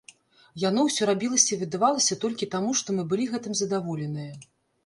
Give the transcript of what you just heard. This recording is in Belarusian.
Яно ўсё рабілася і выдавалася толькі таму, што мы былі гэтым задаволеныя.